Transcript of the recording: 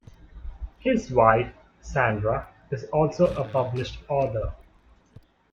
His wife, Sandra, is also a published author.